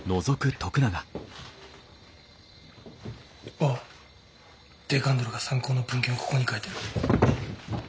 おいデカンドルが参考の文献をここに書いてある。